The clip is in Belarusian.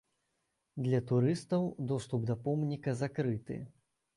Для турыстаў доступ да помніка закрыты.